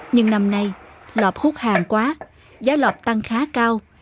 nhưng năm nay lọt hút hàng quá giá lọt tăng khá cao